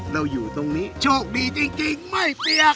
เราอยู่ตรงนี้โชคดีจริงไม่เปียก